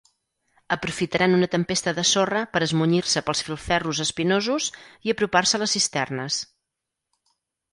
Aprofitaran una tempesta de sorra per esmunyir-se pels filferros espinosos i apropar-se a les cisternes.